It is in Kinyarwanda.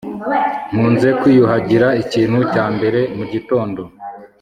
nkunze kwiyuhagira ikintu cya mbere mugitondo